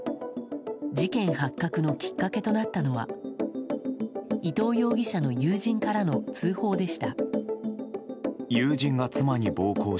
事件発覚のきっかけとなったのは伊藤容疑者の友人からの通報でした。